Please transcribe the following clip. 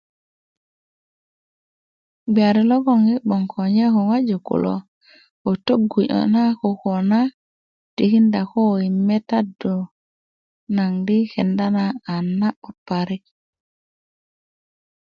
gbiyari logboŋ yi gboŋ ko nye ko ŋojik kulo ko tögu niyo' na koko na tikinda ko yi metandu nan di kenda na na'but parik